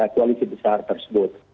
koalisi besar tersebut